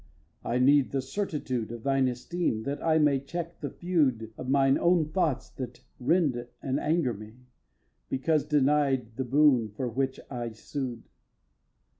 I need the certitude Of thine esteem that I may check the feud Of mine own thoughts that rend and anger me Because denied the boon for which I sued.